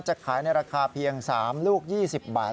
จะขายในราคาเพียง๓ลูก๒๐บาท